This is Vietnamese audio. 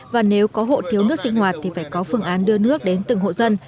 và nếu có hộ thiếu nước sinh hoạt thì phải có phương án đưa nước đến từng hộ dân